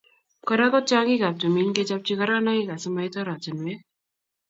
Kora ko tiongikab timin kechobchi keronaik asimait oratinwek